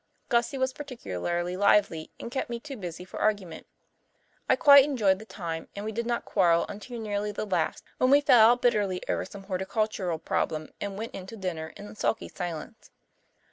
Gussie was particularly lively and kept me too busy for argument. I quite enjoyed the time and we did not quarrel until nearly the last, when we fell out bitterly over some horticultural problem and went in to dinner in sulky silence.